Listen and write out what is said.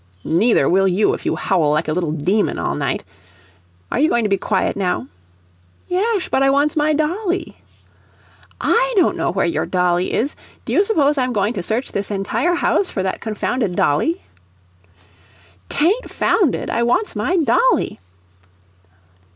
"Neither will you, if you howl like a little demon all night. Are you going to be quiet, now?" "Yesh, but I wants my dolly." "I don't know where your dolly is do you suppose I'm going to search this entire house for that confounded dolly?" "'TAIN'T 'founded. I wants my dolly."